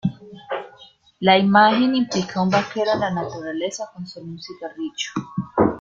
La imagen implica a un vaquero en la naturaleza con sólo un cigarrillo.